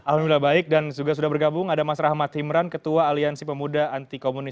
alhamdulillah baik dan juga sudah bergabung ada mas rahmat himran ketua aliansi pemuda anti komunis